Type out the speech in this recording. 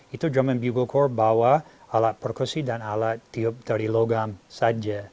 itu drum and bugle corps bawa alat perkusih dan alat tiup dari logam saja